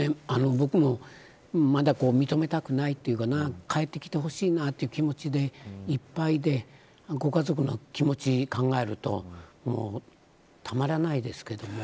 僕も認めたくないというか帰ってきてほしいなという気持ちでいっぱいでご家族の気持ち考えるとたまらないですけどね。